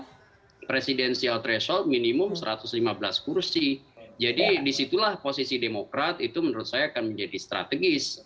karena presidensial threshold minimum satu ratus lima belas kursi jadi disitulah posisi demokrat itu menurut saya akan menjadi strategis